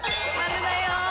「○」だよ